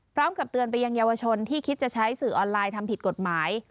พร้อมกับเตือนไปยังเยาวชนที่คิดจะใช้สื่อออนไลน์ทำผิดกฎหมาย